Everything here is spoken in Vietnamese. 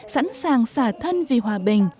sẵn sàng xả thân vì hòa bình